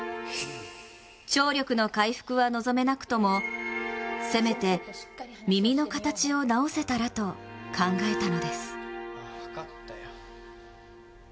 聴力の回復は望めなくともせめて耳の形を直せたらと考えたのです。